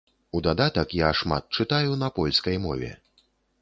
У дадатак я шмат чытаю на польскай мове.